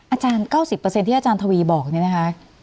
อาจารย์๙๐เปอร์เซ็นต์ที่อาจารย์ทวีบอกนี่นะคะ